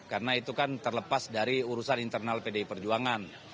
karena itu kan terlepas dari urusan internal pdi perjuangan